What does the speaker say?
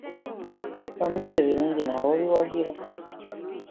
Wamma ebyo birungi, naawe obiwagira?